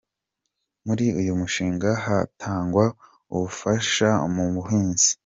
Muri uyu mushinga hatangwa ubufasha mu buhinzi.